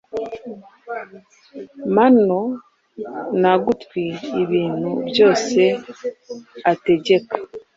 Manor na gutwi ibintu byose ategeka